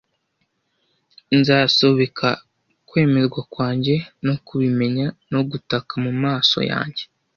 Nzasubika kwemerwa kwanjye no kubimenya no gutaka mumaso yanjye,